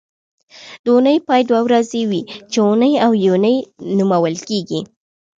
د اونۍ پای دوه ورځې وي چې اونۍ او یونۍ نومول کېږي